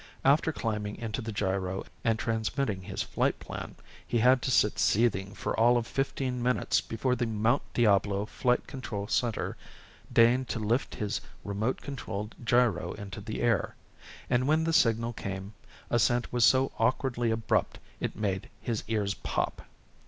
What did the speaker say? After climbing into the gyro and transmitting his flight plan, he had to sit seething for all of fifteen minutes before the Mount Diablo Flight Control Center deigned to lift his remote controlled gyro into the air. And when the signal came, ascent was so awkwardly abrupt it made his ears pop.